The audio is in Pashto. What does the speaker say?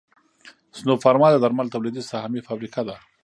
سنوفارما د درملو تولیدي سهامي فابریکه ده